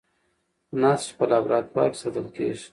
نسج په لابراتوار کې ساتل کېږي.